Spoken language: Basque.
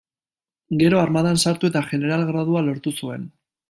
Gero armadan sartu eta jeneral gradua lortu zuen.